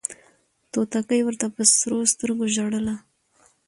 توتکۍ ورته په سرو سترګو ژړله